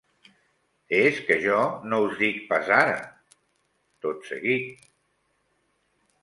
-És que jo no us dic pas ara, tot seguit…